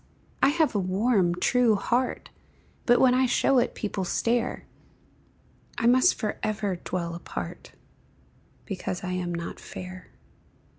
I have a warm, true heart, But when I show it people stare; I must forever dwell apart, Because I am not fair.